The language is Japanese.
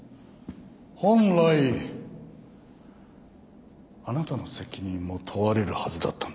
本来あなたの責任も問われるはずだったんだ。